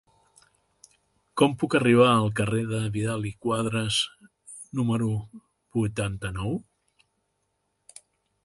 Com puc arribar al carrer de Vidal i Quadras número vuitanta-nou?